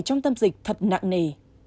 trong tâm dịch thật nặng nề